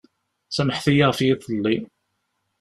Samḥet-iyi ɣef yiḍelli.